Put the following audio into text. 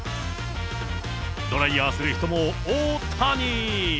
ドライヤーする人も大谷。